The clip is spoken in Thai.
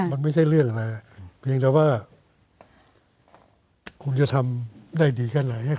มันไม่ใช่เรื่องอะไรเพียงแต่ว่าคงจะทำได้ดีแค่ไหน